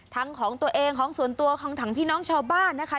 ของตัวเองของส่วนตัวของทั้งพี่น้องชาวบ้านนะคะ